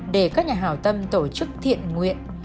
để các nhà hào tâm tổ chức thiện nguyện